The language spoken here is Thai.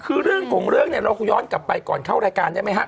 คือเรื่องของเรื่องเนี่ยเราย้อนกลับไปก่อนเข้ารายการได้ไหมฮะ